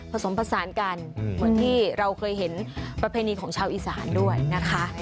ผสมผสานกันเหมือนที่เราเคยเห็นประเพณีของชาวอีสานด้วยนะคะ